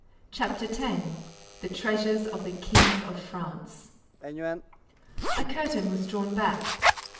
CHAPTER TEN THE TREASURES OF THE KINGS OF FRANCE A curtain was drawn back.